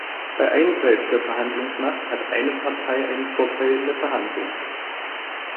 Bei einseitiger Verhandlungsmacht hat eine Partei einen Vorteil in der Verhandlung.